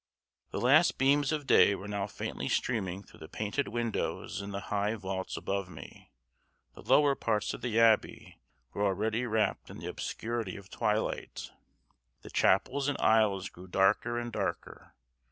The last beams of day were now faintly streaming through the painted windows in the high vaults above me; the lower parts of the abbey were already wrapped in the obscurity of twilight. The chapels and aisles grew darker and darker.